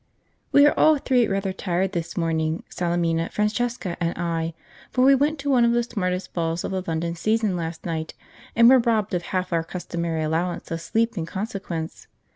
We are all three rather tired this morning, Salemina, Francesca, and I, for we went to one of the smartest balls of the London season last night, and were robbed of half our customary allowance of sleep in consequence.